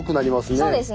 そうですね